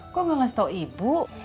kok gak ngasih tau ibu